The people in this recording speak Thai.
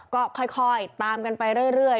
ก็ค่อยตามกันไปเรื่อย